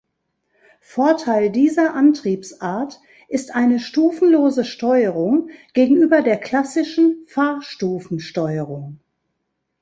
Vorteil dieser Antriebsart ist eine stufenlose Steuerung gegenüber der klassischen Fahrstufen-Steuerung.